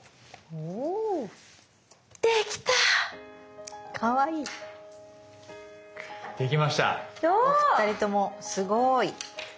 お二人ともすごい。